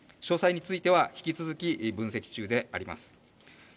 詳細については引き続き分析中であります。